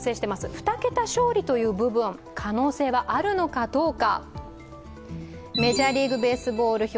２桁勝利の可能性はあるのかどうか。